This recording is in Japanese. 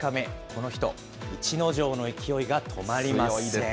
この人、逸ノ城の勢いが止まりません。